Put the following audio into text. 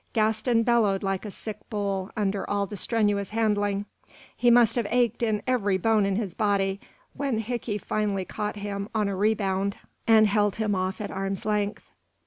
Gaston bellowed like a sick bull under all the strenuous handling. He must have ached in every bone in his body when Hickey finally caught him, on a rebound, and held him off at arm's length.